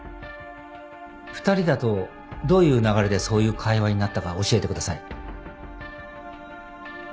２人だとどういう流れでそういう会話になったか教えてください。